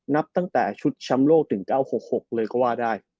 นับตั้งแต่ชุดชำโลกถึง๙๖๖เลยก็ได้